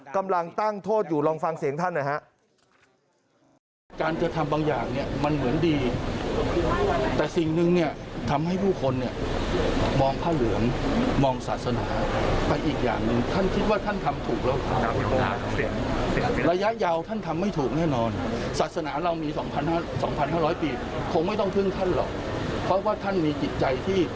กำลังตั้งโทษอยู่ลองฟังเสียงท่านหน่อยฮะ